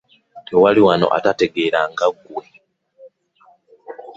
Tewali wano antegeera nga ggwe.